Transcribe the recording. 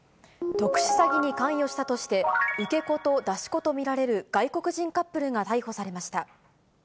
特殊詐欺に関与したとして、受け子と出し子と見られる外国人カップルが逮捕されました。